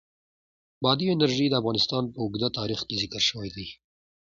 بادي انرژي د افغانستان په اوږده تاریخ کې ذکر شوی دی.